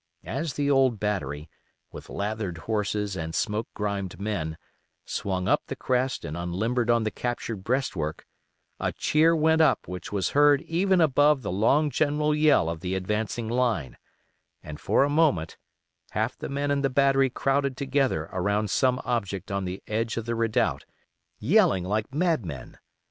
As the old battery, with lathered horses and smoke grimed men, swung up the crest and unlimbered on the captured breastwork, a cheer went up which was heard even above the long general yell of the advancing line, and for a moment half the men in the battery crowded together around some object on the edge of the redoubt, yelling like madmen.